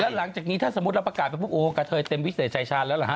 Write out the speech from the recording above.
หลังจากนี้ถ้าสมมุติเราประกาศไปปุ๊บโอ้กระเทยเต็มวิเศษชายชาญแล้วเหรอฮ